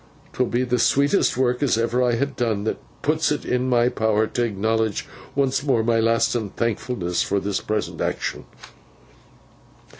'Twill be the sweetest work as ever I ha done, that puts it in my power t' acknowledge once more my lastin thankfulness for this present action.